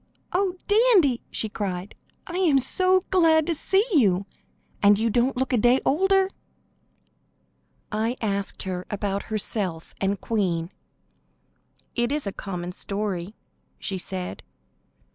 "Oh, Dandy!" she cried. "I am glad to see you, and you don't look a day older!" I asked her about herself and Queen. "It is a common story," she said.